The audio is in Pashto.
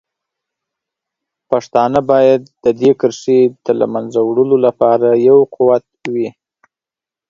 پښتانه باید د دې کرښې د له منځه وړلو لپاره یو قوت وي.